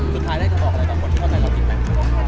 สุดท้ายให้คุณบอกอะไรต่อคนที่เข้าใจว่าผิดหมาย